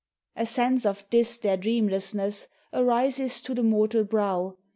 A sense of this their dreamlessness Arises to the mortal brow.